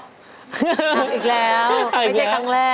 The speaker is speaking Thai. เอาอีกแล้วไม่ใช่ครั้งแรก